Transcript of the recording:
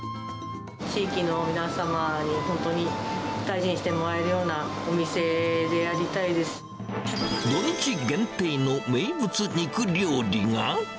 地域の皆様に本当に大事にしてもらえるようなお店でありたい土日限定の名物肉料理が。